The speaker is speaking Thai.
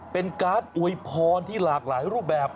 เป็นการ์ดอวยพรที่หลากหลายรูปแบบ